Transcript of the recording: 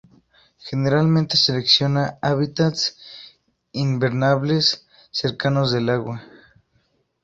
Generalmente selecciona hábitats invernales cercanos del agua.